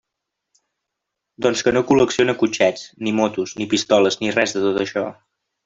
Doncs que no col·lecciona cotxets, ni motos, ni pistoles, ni res de tot això.